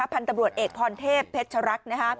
พันธบรวจเอกพรเทพเพชรัก